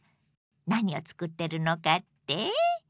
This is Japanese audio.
何をつくってるのかって？